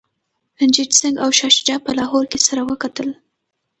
رنجیت سنګ او شاه شجاع په لاهور کي سره وکتل.